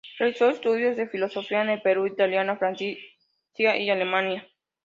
Realizó estudios de filosofía en el Perú, Italia, Francia y Alemania.